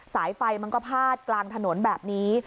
สายไฟมันก็พาดกลางถนนแบบนี้